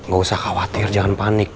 gak usah khawatir jangan panik